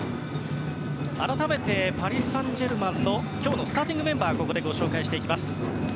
改めて、パリ・サンジェルマンの今日のスターティングメンバーをご紹介します。